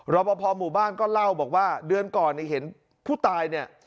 รอปภหมู่บ้านก็เล่าบอกว่าเดือนก่อนเนี่ยเห็นผู้ตายเนี่ย